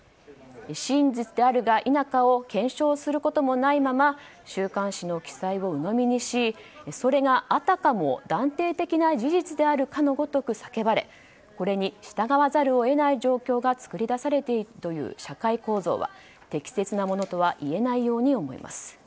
真実であるか否かを検証することもないまま週刊誌の記載をうのみにしそれがあたかも断定的な事実であるかのごとく叫ばれこれに従わざるを得ない状況が作り出されているという社会構造は適切なものとは言えないように思います。